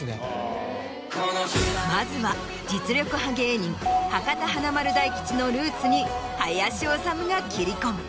まずは実力派芸人博多華丸・大吉のルーツに林修が切り込む。